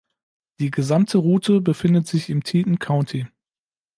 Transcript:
Die gesamte Route befindet sich im Teton County.